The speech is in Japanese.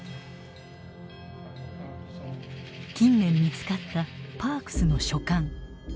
近年見つかったパークスの書簡。